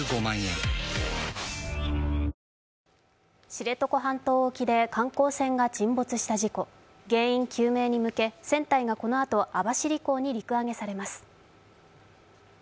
知床半島沖で観光船が沈没した事故、原因究明に向け、船体がこのあと網走港に陸揚げされます。